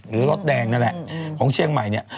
รถแดงนั่นแหละของเชียงใหม่เนี่ย